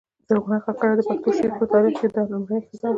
زرغونه کاکړه د پښتو شعر په تاریخ کښي دا لومړۍ ښځه ده.